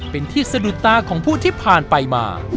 เป็นที่สะดุดตาของผู้ที่ผ่านไปมา